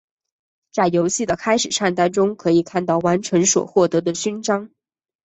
在游戏的开始菜单中可以看到完成所获得的勋章。